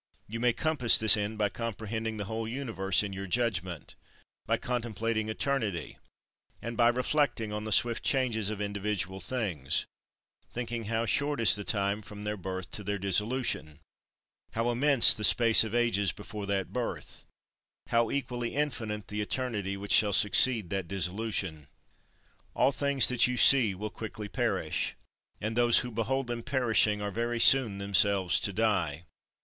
You may compass this end by comprehending the whole Universe in your judgment; by contemplating eternity; and by reflecting on the swift changes of individual things, thinking how short is the time from their birth to their dissolution, how immense the space of ages before that birth, how equally infinite the eternity which shall succeed that dissolution. 33. All things that you see will quickly perish; and those who behold them perishing are very soon themselves to die.